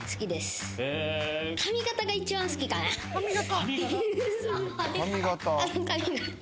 髪形？